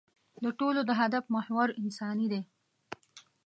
د ټولو د هدف محور انساني دی.